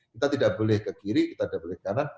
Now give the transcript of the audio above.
kita tidak boleh ke kiri kita tidak boleh ke kanan